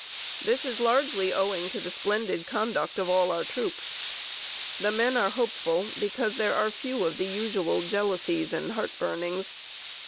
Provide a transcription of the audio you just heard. This is largely owing to the splendid conduct of all our troops. The men are hopeful because there are few of the usual jealousies and heart burnings.